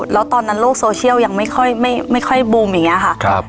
แล้วตอนนั้นโลกโซเชียลยังไม่ค่อยไม่ไม่ค่อยบูมอย่างเงี้ยค่ะครับ